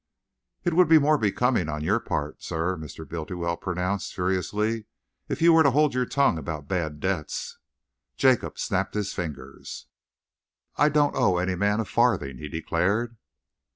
"It would be more becoming on your part, sir," Mr. Bultiwell pronounced furiously, "if you were to hold your tongue about bad debts." Jacob snapped his fingers. "I don't owe any man a farthing," he declared.